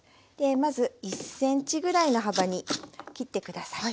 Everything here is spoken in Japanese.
まず１ｃｍぐらいの幅に切って下さい。